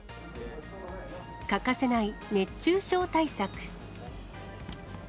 欠かせない熱中症対策。